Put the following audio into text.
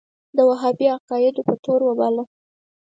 د وهابي عقایدو په تور وباله.